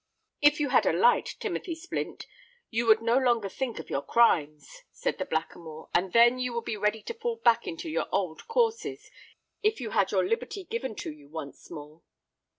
"If you had a light, Timothy Splint, you would no longer think of your crimes," said the Blackamoor; "and then you would be ready to fall back into your old courses, if you had your liberty given to you once more."